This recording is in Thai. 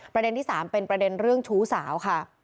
ประเด็นที่๓เป็นประเด็นเรื่องชู้สาวค่ะ